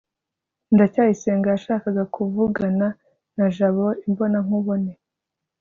ndacyayisenga yashakaga kuvugana na jabo imbonankubone